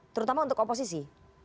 terutama untuk oposisi